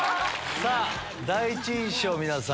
さあ、第一印象、皆さん。